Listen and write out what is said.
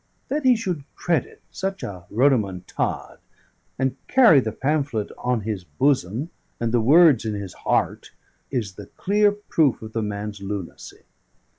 That he should credit such a rodomontade, and carry the pamphlet on his bosom and the words in his heart, is the clear proof of the man's lunacy.